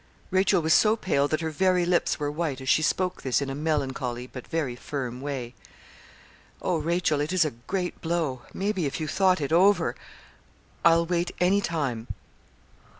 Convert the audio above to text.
Rachel was so pale that her very lips were white as she spoke this in a melancholy but very firm way. 'Oh, Rachel, it is a great blow maybe if you thought it over! I'll wait any time.'